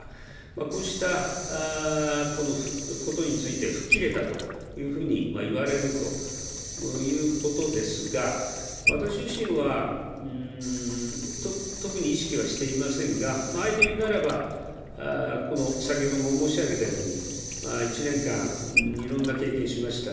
こうしたことについて、吹っ切れたというふうにいわれるということですが、私自身は特に意識はしていませんが、あえて言うならば、先ほども申し上げたように、１年間いろんな経験しました。